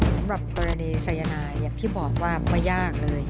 สำหรับกรณีสายนายอย่างที่บอกว่าไม่ยากเลย